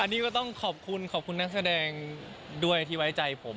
อันนี้ก็ต้องขอบคุณขอบคุณนักแสดงด้วยที่ไว้ใจผม